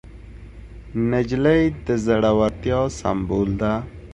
نجلۍ د زړورتیا سمبول ده.